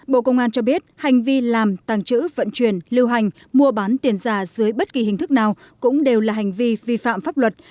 bộ công an cho biết hành vi làm tàng trữ vận chuyển lưu hành mua bán tiền giả dưới bất kỳ hình thức nào cũng đều là hành vi vi phạm pháp luật